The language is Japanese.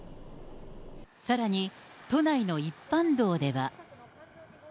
さらに、都内の一般道では。